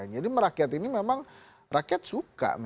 jadi merakyat ini memang rakyat suka